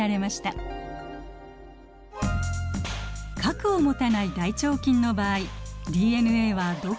核を持たない大腸菌の場合ＤＮＡはどこにあるのでしょうか？